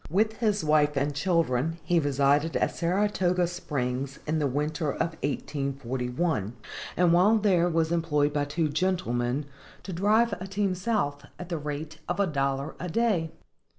With his wife and children he resided at Saratoga Springs in the winter of 1841, and while there was employed by two gentlemen to drive a team South, at the rate of a dollar a day.